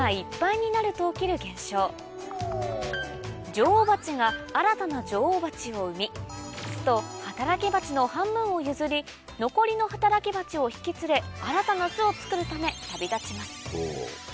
女王蜂が新たな女王蜂を産み巣と働きバチの半分を譲り残りの働きバチを引き連れ新たな巣を作るため旅立ちます